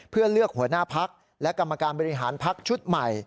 เพื่อเลือกหัวหน้าพักและกรรมการบริหารพักชุดใหม่